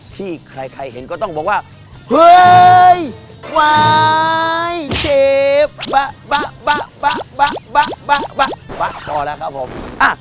ที่ใครใครเห็นก็ต้องบอกว่าเฮ้ยวายเชฟบะบะบะบะบะบะบะ